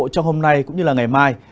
trong hôm nay cũng như ngày mai